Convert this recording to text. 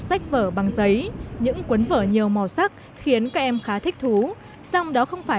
sách vở bằng giấy những cuốn vở nhiều màu sắc khiến các em khá thích thú xong đó không phải